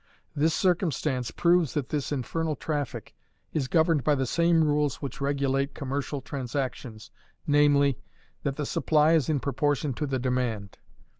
This circumstance proves that this infernal traffic is governed by the same rules which regulate commercial transactions, namely, that the supply is in proportion to the demand.